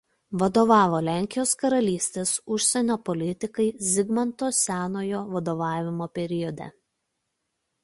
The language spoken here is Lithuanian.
Vadovavo Lenkijos karalystės užsienio politikai Zigmanto Senojo vadovavimo periode.